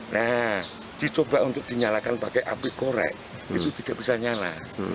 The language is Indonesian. nah dicoba untuk dinyalakan pakai api korek itu tidak bisa nyala